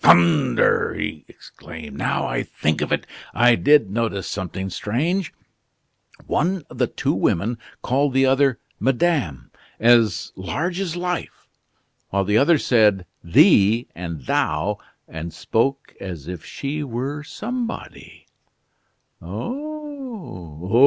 "Thunder!" he exclaimed. "Now I think of it, I did notice something strange. One of the two women called the other 'Madame' as large as life, while the other said 'thee' and 'thou,' and spoke as if she were somebody." "Oh!